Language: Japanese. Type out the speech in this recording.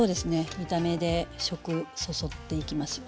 見た目で食そそっていきますよ。